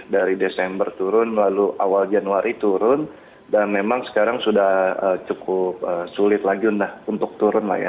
dari desember turun lalu awal januari turun dan memang sekarang sudah cukup sulit lagi untuk turun lah ya